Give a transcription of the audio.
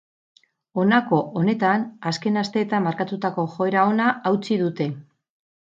Honako honetan, azken asteetan markatutako joera ona hautsi dute.